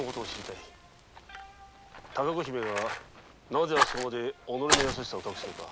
姫がなぜあそこまで己の優しさを隠すのか。